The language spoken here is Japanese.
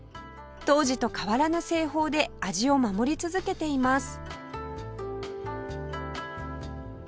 当時と変わらぬ製法で味を守り続けています